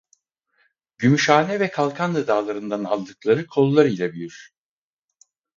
Gümüşhane ve Kalkanlı Dağları'ndan aldıkları kollar ile büyür.